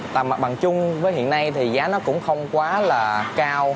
và mặt bằng chung với hiện nay thì giá nó cũng không quá là cao